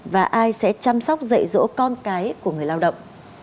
và ai sẽ chăm sóc dạy dỗ con cái của người lao động